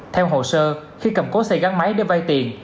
theo hồ sơ khi cầm cố xây gắn máy để vai tiền